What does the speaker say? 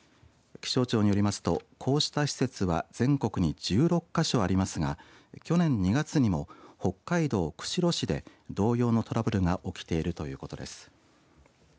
気象庁によりますとこうした施設は全国で１６か所ありますが去年２月にも北海道釧路市で同様のトラブルが起きているということです。